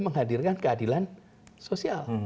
menghadirkan keadilan sosial